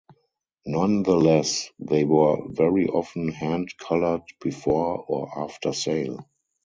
Nonetheless, they were very often hand-coloured before or after sale.